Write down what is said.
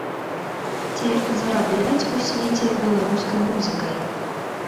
Ці зарабляць у свеце беларускай музыкай?